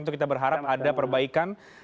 untuk kita berharap ada perbaikan